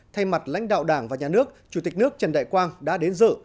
thay mặt lãnh đạo đảng và nhà nước chủ tịch nước trần đại quang đã đến dự